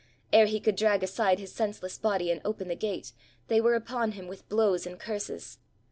Ere he could drag aside his senseless body and open the gate, they were upon him with blows and curses.